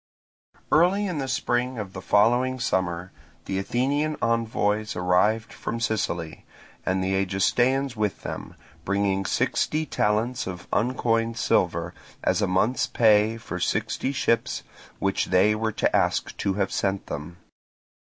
Early in the spring of the following summer the Athenian envoys arrived from Sicily, and the Egestaeans with them, bringing sixty talents of uncoined silver, as a month's pay for sixty ships, which they were to ask to have sent them.